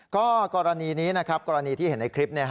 ก็กรณีนี้นะครับกรณีที่เห็นในคลิป